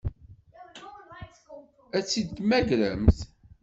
Ad tt-id-temmagremt?